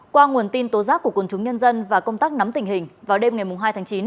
qua nguồn tin tố giác của quân chúng nhân dân và công tác nắm tình hình vào đêm ngày hai tháng chín